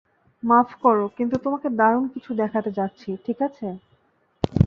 মাফ কোরো, কিন্তু তোমাকে দারুণ কিছু দেখাতে যাচ্ছি, ঠিক আছে?